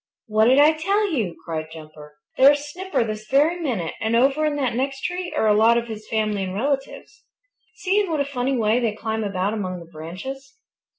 "What did I tell you?" cried Jumper. "There's Snipper this very minute, and over in that next tree are a lot of his family and relatives. See in what a funny way they climb about among the branches.